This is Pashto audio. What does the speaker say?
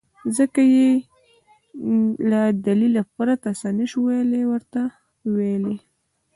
ځکه يې له دليله پرته څه نه شوای ورته ويلی.